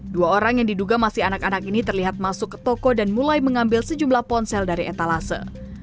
dua orang yang diduga masih anak anak ini terlihat masuk ke toko dan mulai mengambil sejumlah ponsel dari etalase